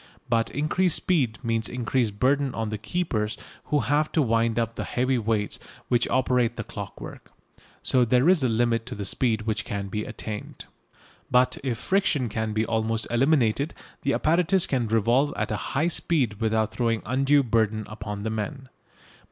But increased speed means increased burden on the keepers who have to wind up the heavy weights which operate the clockwork. So there is a limit to the speed which can be attained. But if friction can be almost eliminated the apparatus can revolve at a high speed without throwing undue burden upon the men.